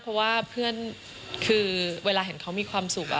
เพราะว่าเพื่อนคือเวลาเห็นเขามีความสุข